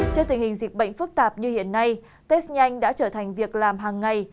trước tình hình dịch bệnh phức tạp như hiện nay test nhanh đã trở thành việc làm hàng ngày